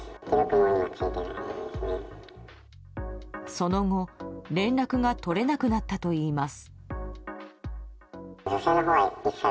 その後、連絡が取れなくなったといいます。